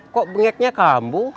kok bengeknya kamu